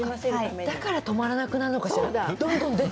だから止まらないのかしら。